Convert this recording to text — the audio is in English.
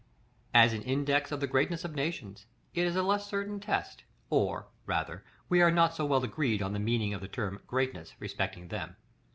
§ LXVIII. As an index of the greatness of nations, it is a less certain test, or, rather, we are not so well agreed on the meaning of the term "greatness" respecting them.